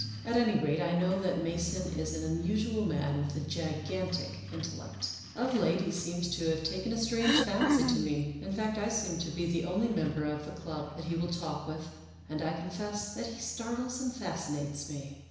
At any rate, I know that Mason is an unusual man with a gigantic intellect. Of late he seems to have taken a strange fancy to me. In fact, I seem to be the only member of the club that he will talk with, and I confess that he startles and fascinates me.